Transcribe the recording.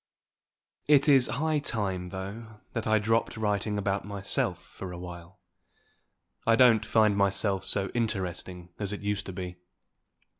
It is high time, though, that I dropped writing about myself for a while. I don't find my self so interesting as it used to be.